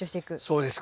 そうです